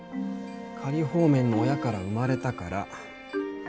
仮放免の親から生まれたから。